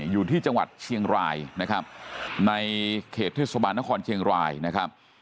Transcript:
อยู่ที่จังหวัดเชียงรายนะครับในเขตเทศบาลนครเชียงรายนะครับ